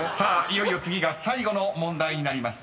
いよいよ次が最後の問題になります］